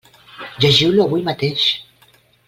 Llegiu-lo avui mateix!